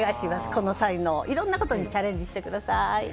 この才能、いろいろなことにチャレンジしてください。